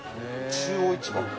中央市場？